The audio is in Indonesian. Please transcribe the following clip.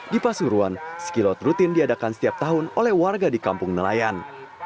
di pasuruan skilot rutin diadakan setiap tahun oleh warga di kampung nelayan